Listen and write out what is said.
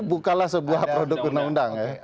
itu kalah sebuah produk undang undang ya